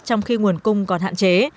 trong khi nguồn cung còn hạn chế